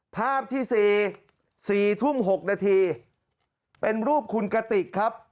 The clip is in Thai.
ภาพที่สี่สี่ทุ่มหกนาทีเป็นรูปคุณกะติกครับ